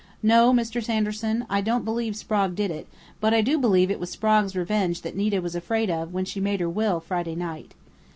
No, Mr. Sanderson, I don't believe Sprague did it, but I do believe it was Sprague's revenge that Nita was afraid of when she made her will Friday night.